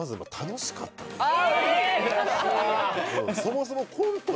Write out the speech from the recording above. そもそも。